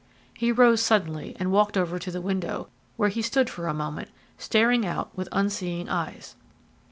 He rose suddenly and walked over to the window, where he stood for a moment, staring out with unseeing eyes.